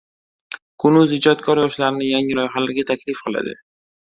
Kun.uz ijodkor yoshlarni yangi loyihalarga taklif qiladi